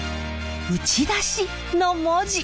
「打出し」の文字。